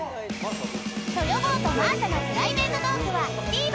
［豊坊とマーサのプライベートトークはＴＶｅｒで配信］